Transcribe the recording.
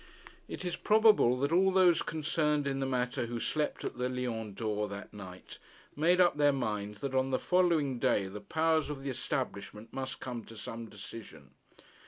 It is probable that all those concerned in the matter who slept at the Lion d'Or that night, made up their minds that on the following day the powers of the establishment must come to some decision.